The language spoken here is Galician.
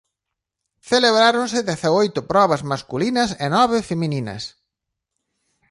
Celebráronse dezaoito probas masculinas e nove femininas.